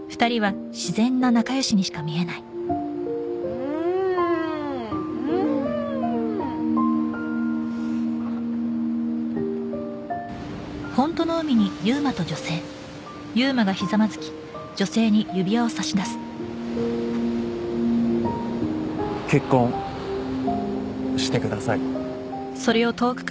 うーんうーん結婚してください